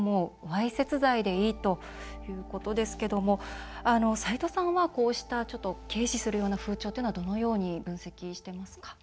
わいせつ罪でいい」ということですけども斉藤さんは、こうした、ちょっと軽視するような風潮というのはどのように分析してますか？